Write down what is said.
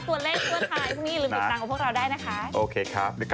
พี่มิกฮอร์ตัวเลขตัวไทย